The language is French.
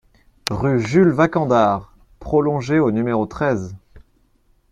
Rue Jules Vacandard Prolongée au numéro treize